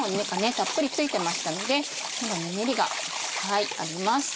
たっぷり付いてましたのでまだぬめりがあります。